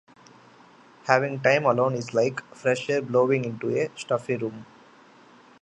Having time alone is like fresh air blowing into a stuffy room.